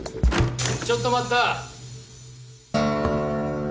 ・・ちょっと待った！